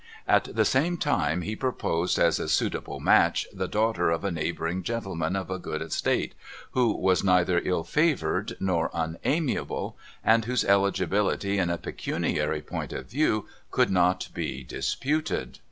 At the same time, he proposed as a suitable match the daughter of a neighbouring gentle man of a good estate, who was neither ill fiwoured nor unamiable, JEMMY TELLS MR. EDSON'S STORY 377 and whose eligibility in a pecuniary point of view could not be disputed.